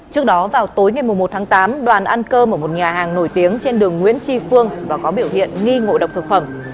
trước đó vào tối ngày một tháng tám đoàn ăn cơm ở một nhà hàng nổi tiếng trên đường nguyễn tri phương và có biểu hiện nghi ngộ độc thực phẩm